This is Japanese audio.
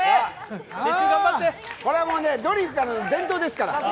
ドリフからの伝統ですから。